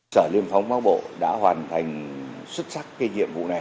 sở liên phóng bắc bộ đã hoàn thành xuất sắc cái nhiệm vụ này